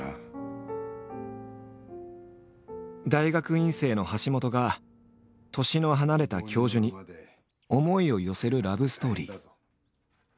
大学院生の橋本が年の離れた教授に思いを寄せるラブストーリー。